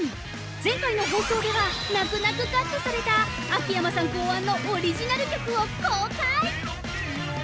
前回の放送では、泣く泣くカットされた秋山さん考案のオリジナル曲を公開！